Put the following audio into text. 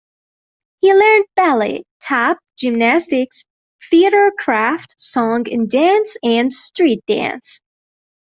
He learnt ballet, tap, gymnastics, theatrecraft, song and dance and streetdance.